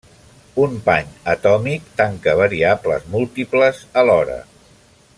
Un pany atòmic tanca variables múltiples alhora.